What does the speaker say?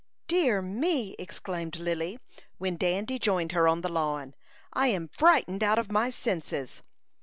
"Dear me!" exclaimed Lily, when Dandy joined her on the lawn; "I am frightened out of my senses."